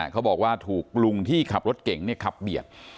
เขาบอกว่าถูกลุงที่ขับรถเก่งขับเบียด